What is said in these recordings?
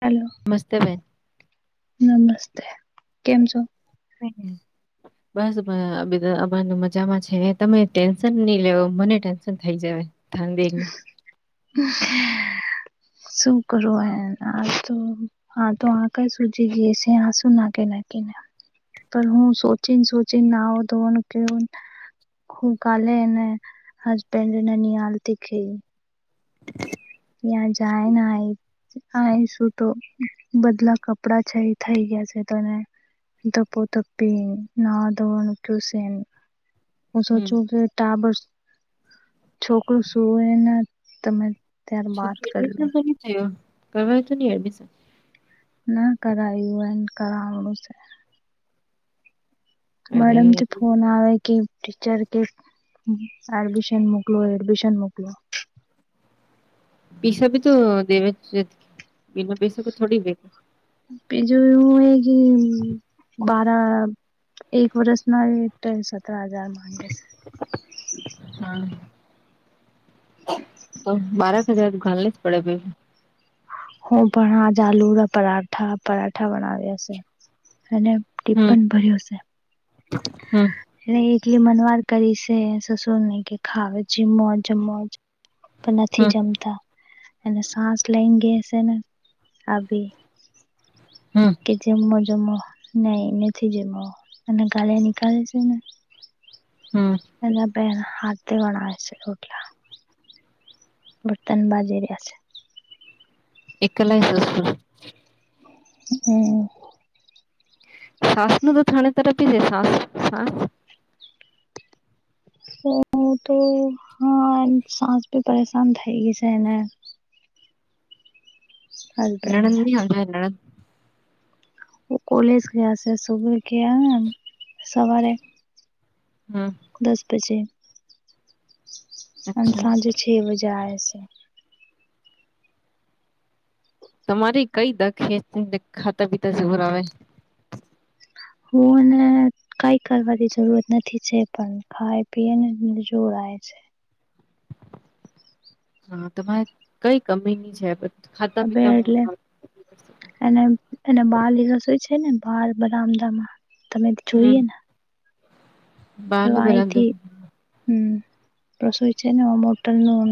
Hello નમસ્તે બેન નમસ્તે કેમ છો [inaudible] બસ બધા અ મજામાં છે તમે ટેન્શન નહી લિયો મને ટેન્શન થઈ જાય શું કરું આજ તો હા તો આંખે સુજી ગય છે આસું નાખી નાખીને પર હું સોચીને સોચી નાવા ધોવાનું કિયું હું કાલે એને હસબેન્ડને નિહાલતી ખ [inaudible] ન્યાં જાયને આય આ એ શું તો બધલા કપડા છે એ થઈ ગયા છે તને ધપો ધપી નવા ધોવાનું કિયું શે અને હું હમ સોચું કે ટાબર છોકરું સુવે ને તમે ત્યાર બાત છોકરી કર લો એડમિશન થયો કરવાય તો નહી એડમિશન ના કરાવું એને કરાવું છે અરે મેડમથી ફોન આવે કે ટીચર કે એડમિશન મક મોક એડમિશન મોકલો પૈસા ભી તો દેવે બિના પૈસાા તો થોડી વ બીજું એવું હોય કે બારા એક વર્ષ ના સતરા હજાર માંગે છે હમ્મ [inaudible] તો બારક હજાર ઘાલને જ પડે બેન હું પણ આ જલુ પરાઠા પરાઠા બનાવી્યા હશે અને હમ ટપ્પન ભર્યો છે હમ એ એકલી મનવાર કરી છે સસુર નહી કે ખાવે જીમો જિમો પણ નથી હમ જમતા અને સાસ લઈંગે હશેને અભી હમ્મ કે જમમો જમો નહી નથી જમો અને ગાળ નીકાળે છે ને હમ્મ એ બે હતે વનાવે છે રોટીયા બર્તન બાજી રિયા છે એકલા હશેસ્ હમ્મ સાસ નું તો થણે તરફ છે સાસ સાસ- - તો હા એમ સાસ બી પરેશાન થઈ ગઈ છે ને. હસબેન્ડ નણદ ની નંદન દ- - કોલેજ ગ્યા હશે સુબે ગ્યા સવારે- - હમ્મ દસ બજે અને અચ્છા સાંજે છ બજે આય છે. તમારી કઈ દખ હે ખાતા પીતા જોર આવે- - વુ ને કઈ કરવાની જરૂરત નથી છે પણ ખાય પીયે ને જોર આયે છે. હા તમારે કઈ કમી ની છે બધ- - અ બે એટલે એ એને બાર રસોય છે ને બાર બરામદામાં તમે હમ જોઈએ ને- - બાલ બરાબર વાઈથી- - હમ્મ રસોઈ છે ને મોટલ નું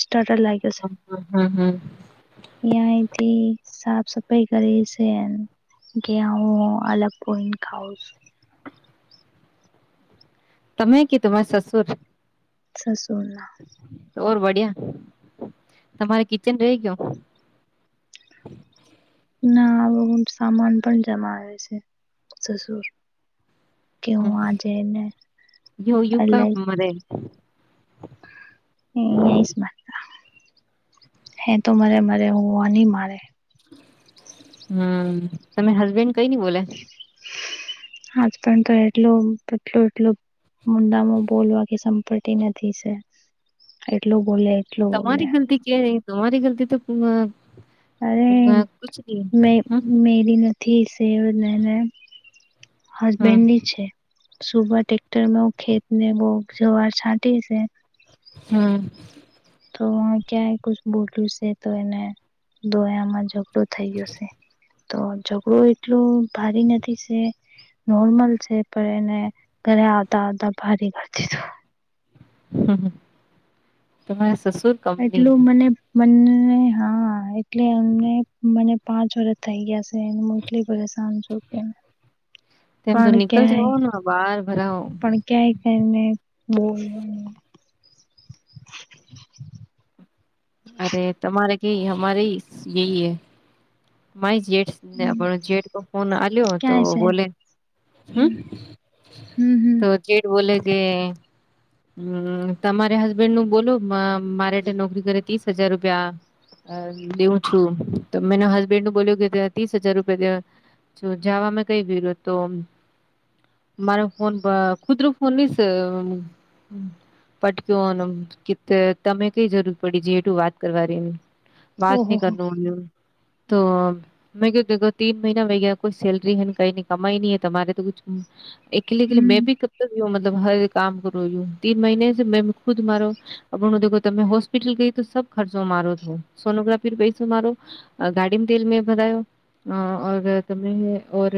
સ્ટાર્ટર લાગે- - હમ્મ હમ્મ હમ્મ હમ્મ યાહી થી સાફ સફાઈ કરીે છે. ગ્યા હૂ અલગ પોય ને ખાઉ છુ - તમે કે તમારા સસુર- - સસુર ઓર બડિયા તમારે કિચન રેગયો ના આ સામાન પણ જમા આવે છે સસુર- - ક્યો હમ, આ જેને યો યુ કા અલા- મરે - હ એ એ સ [unintelligible] હે તો મરે મરે મોની મારે- - હમ્મ તમરા હસબેન્ડ કઈ ની બોલે- - આજ પણ તો એટલો બટલું એટલ- - મુંડામાં બોલવા કે સંપટી નથી છે એટલું બોલે- - તમારી ગલતી કે નહી તમારી ગલતી તો- - અરે મે મેરી ગ - - થીસ ને ને હમ હસબેન્ડ ની છે. સુબહ ટટેક્ટર ખેતને બોગ જવાર છાંટી છે. હમ્મ તો ક્યાંય ક બોલ્યું છે તો એને દોયામાં ઝઘડો થઈ ગયો છે. તો ઝઘડો એટલું ભારી નથી શે નોર્મલ છે પણ એને ઘરે આવતા આવતા ભારી કર દીધું- - હમ્મ તમાર સસુર- - એટલું મને મને હા એટલે અમને મને. પાંચ વર્ષ થઈ ગયા છે એનું. એટલી પરેશાન છુ કે તેમ તો પણ નિકલ ક્યાંય જાઓ ને બહાર ભરાઓ પણ- - ક્યાંક એમ ને બો- - અરે તમારે કે અમારે એય એ- - માય જેટને જેટ ફોન આ્યો તો ક્યાંય છે બોલે હમ્મ હમ હમ હમ. તો જેે બોલેગે. હમ તમારે હસબેન્ડ નું બોલો મારે હેઠે નોકરી કરે ત્રીસ હજાર રૂપિયા. અ દેઉં છું તો મેનો હસબેન્ડ નું બોલ્યો કે ત્યા ત્રીસ હજાર રૂપિયા દેવા. જો જવામાં કઈ વિ્યો તો. મારો ફોન ખુદરો ફોન નઈ. પટક કે તમે કઈ જરૂર પડી છે એટ વાત કરવાનીની. વાત ની ઓહો કર ની ઉ નું તો. મેં કો તીન મહિના વઇગા કોઈ સેલરી હ ને કઈ કમાઈ નહીં તમારે તો કુછ. અકેલી કલી કે હમ મેંભી ક હ મતલબ હરે કામ કર યું તીન મહિને સે ખુદ મારો. આપ દેખો હું તમે હોસ્પિટલ ગઈ તો સબ ખર્ચો મારો થો સોનોગ્રાફી પૈસો મારો. અ ગાડીમેં તેલ મે ભરાયો. હ તમે ઓર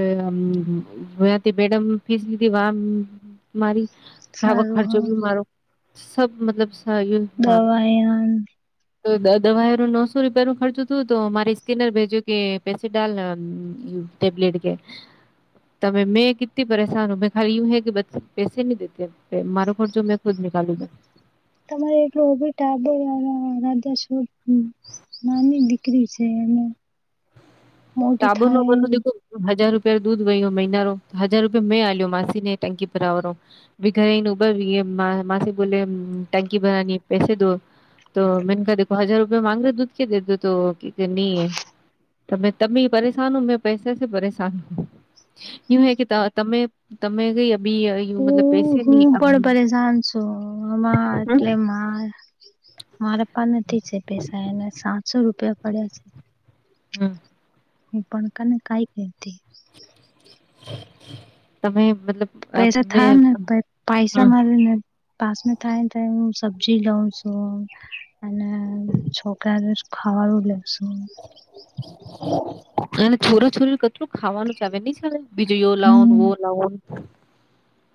ભયાતી મેડમ ની ફીસ લીધ વા. મારી બાગો સારું હ ખર્ચો બી મારો સબ મતલબ સ. દવાયન. તો દવા નો નોસો રૂપિયા નો ખર્ચું થુંયુ તો મારી સ્કેનર ભેજું કે પેસે ડાલ યુ. ટેબલેટ કે. તમે મેં કિતિ પરેશાન હું મે ખાલી યું હ કે બ પૈસે નહી દેતે. મારો ખર્ચો મેં ખુદ નીકાલુગા. તમારે એટલ ઓબી ટા રા. [unintelligible] નાની દીકરી છે એનો. ટાબુરનો બલો દખો. હજાર રૂપિયા દૂધ વયો મહિનારો તો હજાર રૂપિયા મેં આલ્યો માસી ને ટંકી પરાવરો. ભી ઘરે ન ઉભર માસે બોલે ટંકી ભરાની હૈ પેસે દો. તો મેન કા દખો હજાર રૂપિયા માંગ રે દૂધ કે દે દો તો કે નહી તમે. તમી પરેશાન હું મેં પૈસે સે પરેશાન હું. યું હૈ કે તમે તમે કઈ અભી. મતલબ પૈસે હું ની હું પણ હમ પરેશાન છું આમા એટલે માર. મારે પણ નથી છે પેસા એને સાતસો રૂપિયા પડ્યા છે. હમ. હું પણકા ને કાઈ કેતે. તમે મતલબ. પૈસા અમે થાય ને પ હમ. પૈસા મારે ને. પાસમે થાય થાયું સબ્જી લઉ સું. અને છોકરાંને ખાવારૂ લવસું. અને છોરા છોરી કચુ ખાવાનું ચાવે નહી ચાવે. બીજું યો લાવન હમ વો લાવન.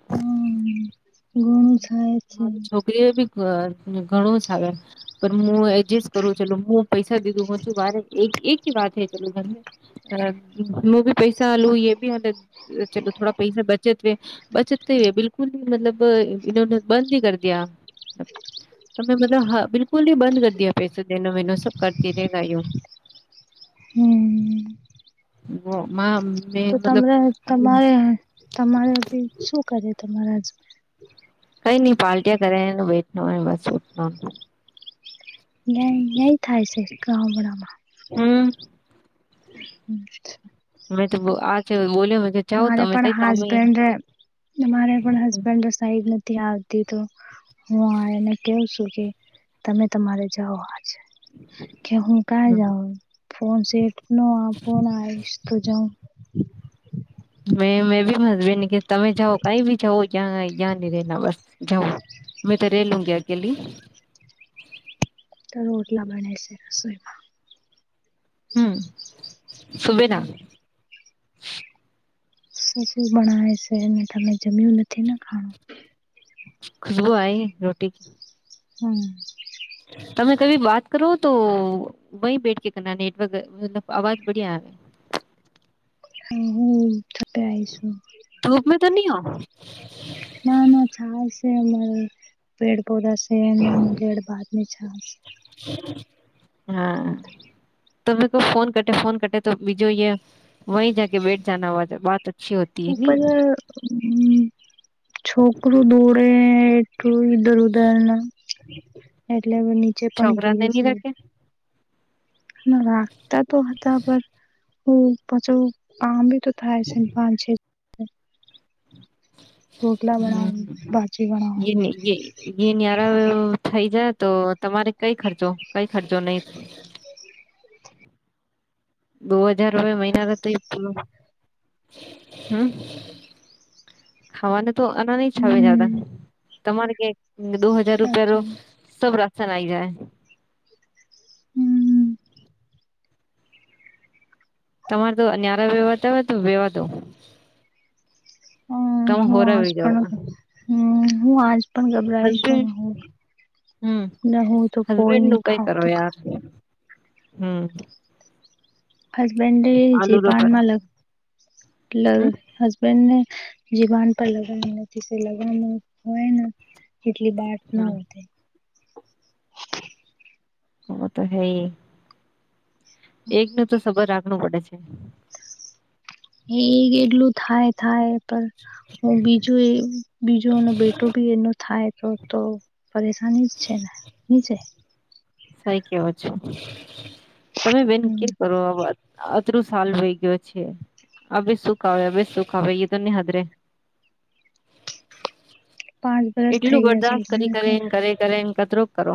હમ ઘણું થાય. છે મારું છોકરીઓ બી ધ ઘણું જ ચાવે પણ મુ એડજસ્ટ કરુ છું એટલે મુ. પૈસા દે દું હો છું બાર એક એક વાત હૈ ચલો ઘર મેં. અ નોભી પૈસા હાલું એ ભી હાલે. ચલો થોડા પૈસા બચત વે બચત ક બિલકુલ મતલબ એ. બંધ હિ કર દિયા. તમેં મતલબ હ બલકુલ હિ બંધ કર દિયા પૈસા દેના મેનુ સબ કરતી રહે ગયું. હમ હ મા. તો તમરે તમારે તમારે શું કરયુ તમારા. કઈ નઈ પલ્ટીયા કરે બેઠય બસ. નય નય થાય છે ગામડામાં. હમ. [inaudible] મેં તો આ છે બોલ્યો મે જાવ તમે કઈ કામ નહીં અમારે પણ હસબન્ડ સાઈડ નથી આવતી તો હું એને કેવ છું કે તમે તમારે જાઓ આજે કે હું કં જાઉં ફોન સેટ ન ફોન આઇષ તો જાઉં. મે મેં બી મસબન કે તમે જાવ કઈ બી જવ ત્યાં નહી રેના બસ જવું. મેં તો રે લું ગી અકેલી. તો રોટલા બનાય છે રસોઈમાં. હમ્મ, સુબે ના? રસોઈમાં શું શું બનાવે છે એને તમે જમ્યું નથી ને ખાણું. ખુશબુ આઈ રોટી કી. હમ્મ. તમે કબી વાત કરો તો વહી બેઠ કરના નેટર્ક અહ મતલબ અવાજ બડિયા આવે. એ હું ત આઈશું. ધૂપ મે તો ની હો? ના ના છાવશે અમારે. પેડ પૌધા સે ને ગેડ ભાતની છા. હા. તમે કો ફોન કટે ફોન કટે તો વીજોઇએ વહી જા બેઠ જના વા-વાત ઉપર અહ મૈને છોકરુ દોરે એટું ઉધર ઉદરના એટલે નીચે પણ છોકરા ને ઘીરે નહી છે. રાખે હા રાખતા તો હતા પર હો પાછો આમ બી તો થાય છેન પાંછે રોટલા બનાઓ બાજી બનાઓ. એની હાર થઈ જાય તો તમારે કઈ ખર્ચો કઈ ખર્ચો નહી થાય. [inaudible] દો હઝાર રૂપે મહિના દે [unintelligible] હમ્મ. ખાવાને તો આના નહી ખાવે જદા હમ તમારે ક્યા દો હજાર રૂપિયા રો સાચું ક્ષો રક્ષણ આઈ જાય. હમ તમાર તો અનયારા વેવાતા હોય તો વેવા દો. હમ્મ, તમે હું હોરા વે આજ જાઓ પણ હ હું આજ પણ ગબરાયશ હસબેન્ડ હમ ન હું તો પોય ખાવ તો ખા હમ્મ. હસબેન્ડે જે આલુ રો પર પાનમાં લ લ હમ હશ બેન્ડ ને જીવાન પર લગનથી સી લગનું હોય ને એટલી બાટ ના હોતે. હો તો હેઈ. એક નો તો સબર રાખનું પડે છે. એ એક એટલું થાય થાય. પણ હું બીજું એ બીજો એનો બેટો બી એનો થાય તો તો પરેશાની જ છે ને હુંછે. સાઈ કેવો છો તમે બેન હમ કેમ કરો આ વાત. અતરું સાલ હોઈ ગયો છે. અભી સુખ આવે અભી સુખ આવે એ તો ની હદરે. પાંચ વરસ થઈ એટલું ગયા બરદાશત કરી છે કરે કે એને કરે કરે એને કતરૂ કરો.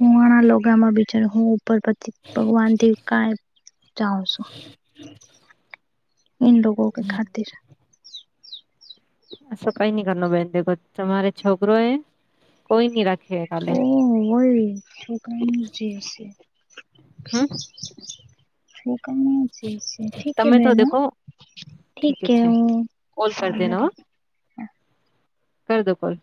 હું આણાં લોગામાં બીચાર હું ઉપર ભગવાનથી કાઈ જાઉં છું. [inaudible] ઈન લોગો કે ખાતીર. એસા કાઈ નહીં કરણ બહેન દેખો તમારે છોકરો હૈ કોઈ નહીં રાખ છે ઓહ હોય શકન જેસે. હમ્મ. હુ કમુ જી જી ઠીક તો બેન દેખો ઠીક હે હું કોલ કર દેના કર દો કોલ